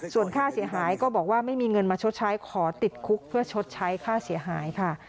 ส่วนค่าเสียหายก็บอกว่าไม่มีเงินมาชดใช้ขอติดคุกเพื่อชดใช้ค่าเสียหายค่ะ